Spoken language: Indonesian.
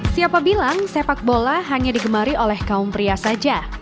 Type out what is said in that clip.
siapa bilang sepak bola hanya digemari oleh kaum pria saja